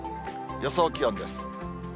予想気温です。